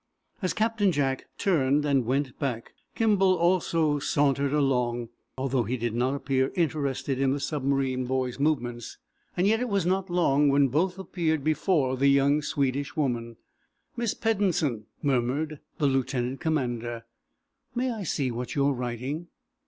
As Captain Jack turned and went back, Kimball also sauntered along, although he did not appear interested in the submarine boy's movements. Yet it was not long when both appeared before the young Swedish woman. "Miss Peddensen," murmured the lieutenant commander, "may I see what you are writing?"